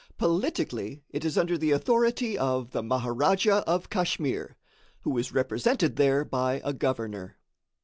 Politically, it is under the authority of the Maharadja of Kachmyr, who is represented there by a governor.